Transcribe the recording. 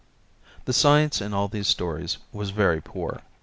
The science in all these stories was very poor.